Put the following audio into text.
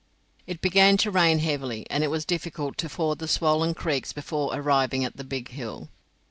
It began to rain heavily, and it was difficult to ford the swollen creeks before arriving at the Big Hill.